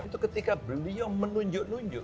itu ketika beliau menunjuk nunjuk